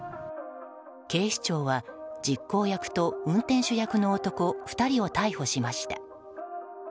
警視庁は実行役と運転手役の男２人を逮捕しました。